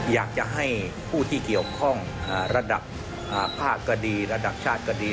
อยากจะให้ผู้ที่เกี่ยวข้องระดับภาคก็ดีระดับชาติก็ดี